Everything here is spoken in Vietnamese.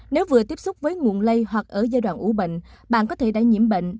nếu vừa tiếp xúc với nguồn lây hoặc ở giai đoạn ủ bệnh bạn có thể đã nhiễm bệnh